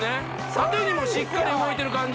縦にもしっかり動いてる感じ